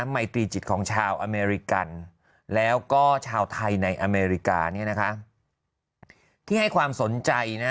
ไมตรีจิตของชาวอเมริกันแล้วก็ชาวไทยในอเมริกาที่ให้ความสนใจนะ